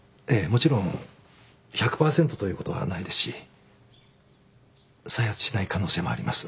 もちろん１００％ということはないですし再発しない可能性もあります。